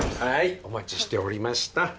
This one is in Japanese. はいお待ちしておりました。